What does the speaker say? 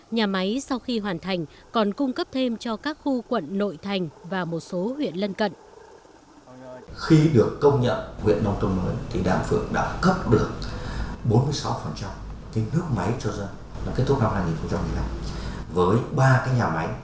nhà máy sau khi hoàn thành còn cung cấp thêm cho các khu quận nội thành và một số huyện lân cận